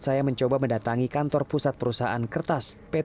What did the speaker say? saya mencoba mendatangi kantor pusat perusahaan kertas ptf sambil bersurat